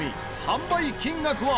販売金額は。